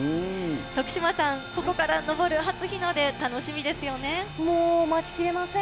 徳島さん、ここから昇る初日の出、もう、待ちきれません。